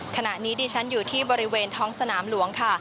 ขณะนี้ดิฉันอยู่ที่บริเวณท้องสนามหลวงค่ะ